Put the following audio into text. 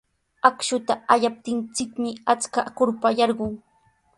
Akshuta allaptinchikmi achka kurpa yarqun.